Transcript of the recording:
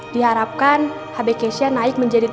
diharapkan hb keisha naik menjadi tiga belas